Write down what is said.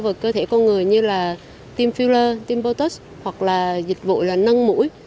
vào cơ thể con người như là team filler team botox hoặc là dịch vụ là nâng mũi